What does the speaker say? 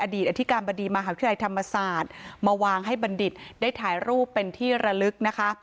อธิการบดีมหาวิทยาลัยธรรมศาสตร์มาวางให้บัณฑิตได้ถ่ายรูปเป็นที่ระลึกนะคะ